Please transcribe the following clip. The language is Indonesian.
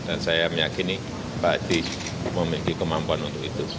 dan saya meyakini pak hati memiliki kemampuan untuk itu